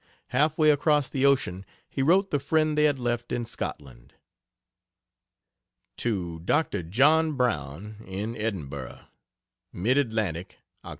Half way across the ocean he wrote the friend they had left in Scotland: To Dr. John Brown, in Edinburgh: MID ATLANTIC, Oct.